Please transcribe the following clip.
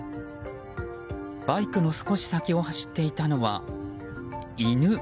バイクの少し先を走っていたのは犬。